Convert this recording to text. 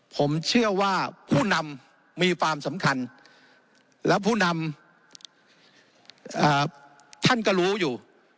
ผมเชื่อว่าผู้นำมีความสำคัญและผู้นำท่านก็รู้อยู่